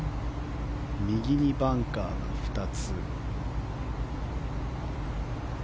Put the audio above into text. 右にバンカーが２つ。